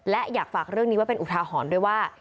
และอยากฝากเรื่องนี้ไว้เป็นอุทาหรณ์ด้วยว่า